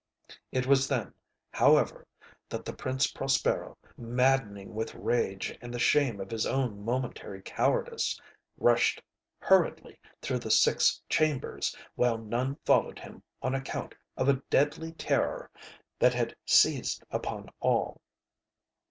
It was then, however, that the Prince Prospero, maddening with rage and the shame of his own momentary cowardice, rushed hurriedly through the six chambers, while none followed him on account of a deadly terror that had seized upon all.